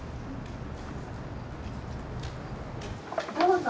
・どうぞ。